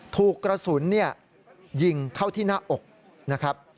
ถูกกระสุนยิงเข้าที่หน้าอก